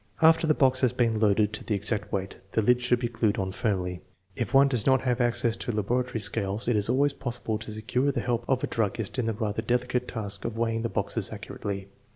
After the box has been loaded to the exact weight, the lid should be glued on firmly. If one does not have access to laboratory scales, it is always possi ble to secure the help of a druggist in the rather delicate task of weighing the boxes accurately.